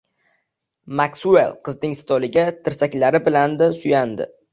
Maksuel qizning stoliga tirsaklari bilandi suyandi